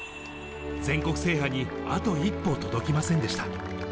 全国制覇にあと一歩届きませんでした。